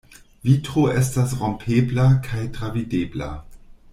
Vitro estas rompebla kaj travidebla.